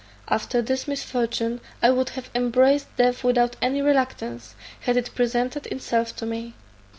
After this misfortune I would have embraced death without any reluctance, had it presented itself to me.